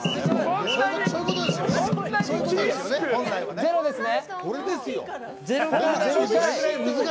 ゼロですね。